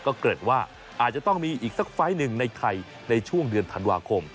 ก็เกิดว่าอาจจะต้องมีอีกสักไฟล์หนึ่งในไทยในช่วงเดือนธันวาคม